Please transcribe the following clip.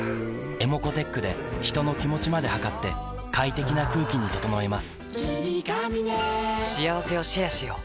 ｅｍｏｃｏーｔｅｃｈで人の気持ちまで測って快適な空気に整えます